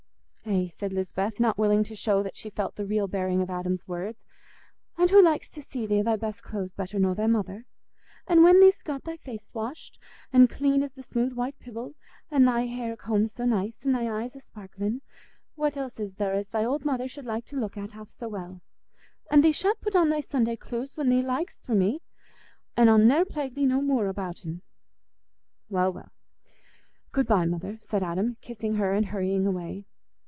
"Eh," said Lisbeth, not willing to show that she felt the real bearing of Adam's words, "and' who likes to see thee i' thy best cloose better nor thy mother? An' when thee'st got thy face washed as clean as the smooth white pibble, an' thy hair combed so nice, and thy eyes a sparklin'—what else is there as thy old mother should like to look at half so well? An' thee sha't put on thy Sunday cloose when thee lik'st for me—I'll ne'er plague thee no moor about'n." "Well, well; good bye, mother," said Adam, kissing her and hurrying away.